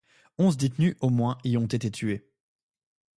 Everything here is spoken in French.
Onze détenus au moins y ont été tués.